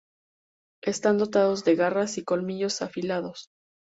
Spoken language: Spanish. Están dotados de garras y colmillos afilados.